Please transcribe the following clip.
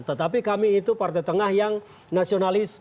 tetapi kami itu partai tengah yang nasionalis